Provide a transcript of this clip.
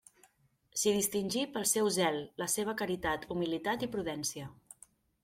S'hi distingí pel seu zel, la seva caritat, humilitat i prudència.